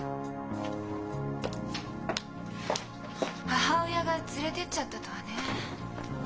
母親が連れてっちゃったとはね。